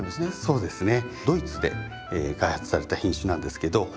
そうですね。